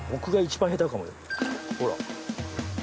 ほら。